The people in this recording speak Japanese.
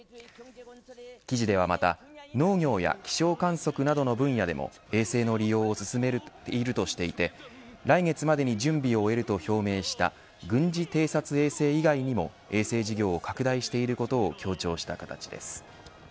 記事ではまた農業や気象観測などの分野でも衛星の利用を進めているとしていて来月までに準備を終えると表明した軍事偵察衛星以外にも衛星事業を拡大していることを強調した形です。